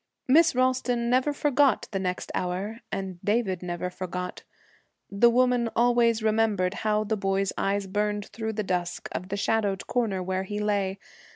Miss Ralston never forgot the next hour, and David never forgot. The woman always remembered how the boy's eyes burned through the dusk of the shadowed corner where he lay.